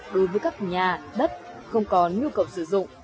đối với các nhà đất không có nhu cầu sử dụng